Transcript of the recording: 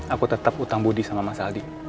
aku tetap utang budi sama mas aldi